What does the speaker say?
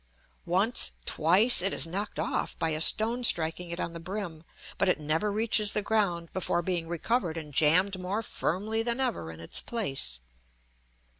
Once, twice, it is knocked off by a stone striking it on the brim, but it never reaches the ground before being recovered and jammed more firmly than ever in its place.